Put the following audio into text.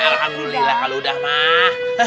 alhamdulillah kalau udah mah